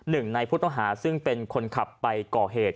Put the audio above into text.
หนึ่งในผู้ต้องหาซึ่งเป็นคนขับไปก่อเหตุ